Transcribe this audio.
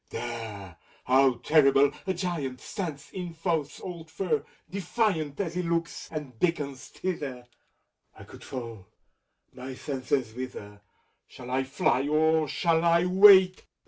— There ! How terrible ! a Giant Stands in Faust's old fur, defiant! As he looks, and beckons thither, I could fall, my senses wither. Shall I fly, or shall I wait?